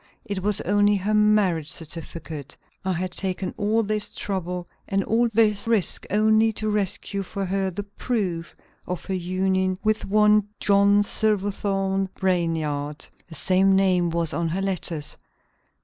it was only her marriage certificate; I had taken all this trouble and all this risk, only to rescue for her the proof of her union with one John Silverthorn Brainard. The same name was on her letters.